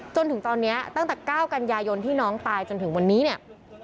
จนถึงตอนนี้ตั้งแต่๙กันยายนที่น้องตายจนถึงวันนี้เนี่ย